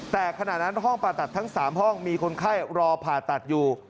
แต่ขณะนั้นทั้ง๓ห้องมีคนไข้รอผ่าตัดอยู่